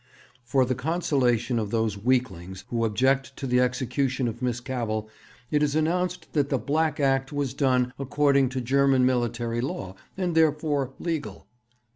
'For the consolation of those weaklings who object to the execution of Miss Cavell it is announced that the black act was done according to German military law, and therefore "legal."